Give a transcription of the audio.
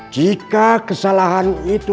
jika kesalahan itu